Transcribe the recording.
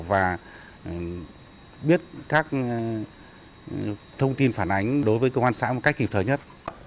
và biết các thông tin phản ánh đối với công an xã một cách kịp thời nhất